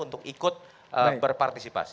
untuk ikut berpartisipasi